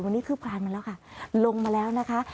วันนี้คืบคลานมาแล้วค่ะลงมาแล้วนะคะ